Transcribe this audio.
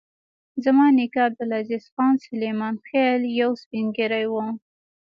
زما نیکه عبدالعزیز خان سلیمان خېل یو سپین ږیری و.